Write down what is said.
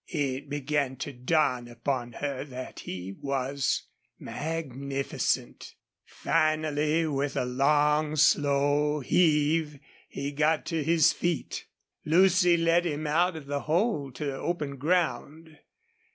It began to dawn upon her that he was magnificent. Finally, with a long, slow heave he got to his feet. Lucy led him out of the hole to open ground.